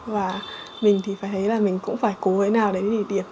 và mình thì phải thấy là mình cũng phải cố với nào để đi điểm